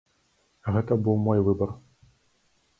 Гэта быў мой выбар.